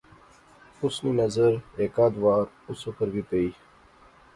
اس نی نظر ہیک آدھ بار اس اوپر وی پئی